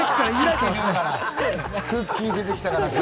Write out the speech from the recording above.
クッキー出てきたからさ。